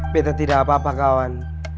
beda tidak apa apa kawan